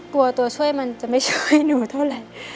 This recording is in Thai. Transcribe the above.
ตัวช่วยมันจะไม่ช่วยหนูเท่าไหร่